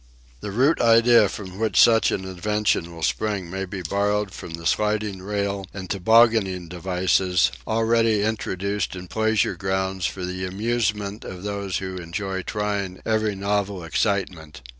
The root idea from which such an invention will spring may be borrowed from the sliding rail and tobogganing devices already introduced in pleasure grounds for the amusement of those who enjoy trying every novel excitement.